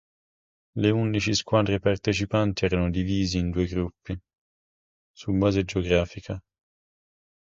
Le undici squadre partecipanti erano divisi in due gruppi, su base geografica.